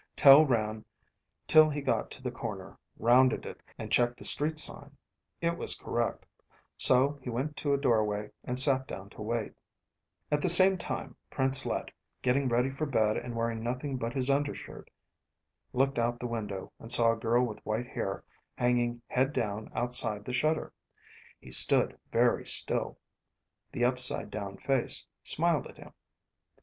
Tel ran till he got to the corner, rounded it, and checked the street sign. It was correct. So he went to a doorway and sat down to wait. At the same time, Prince Let, getting ready for bed and wearing nothing but his undershirt, looked out the window and saw a girl with white hair hanging head down outside the shutter. He stood very still The upside down face smiled at him.